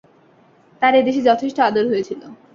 তার এদেশে যথেষ্ট আদর হয়েছিল।